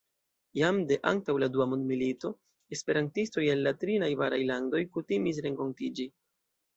Jam de antaŭ la dua mondmilito, esperantistoj el la tri najbaraj landoj kutimis renkontiĝi.